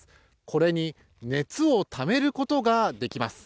これに熱をためることができます。